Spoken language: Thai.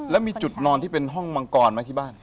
แล้วมีจุดนอนที่เป็นห้องมังกรไหมที่บ้าน